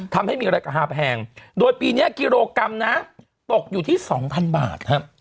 ทำให้มีราคาแพงโดยปีนี้กิโลกรัมนะตกอยู่ที่๒๐๐บาท